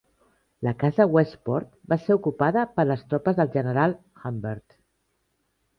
La casa Westport va ser ocupada per les tropes del general Humbert.